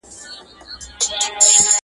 معرفت ته یې حاجت نه وینم چاته,